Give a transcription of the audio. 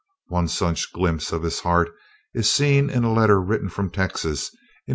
One such glimpse of his heart is seen in a letter written from Texas, in 1856.